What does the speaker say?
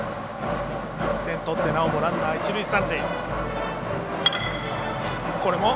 １点取ってなおもランナー、一塁三塁。